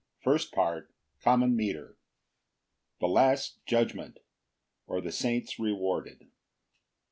First Part. C. M. The last judgment; or, The saints rewarded.